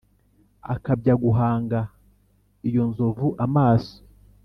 Akabya guhanga iyo nzovu amaso,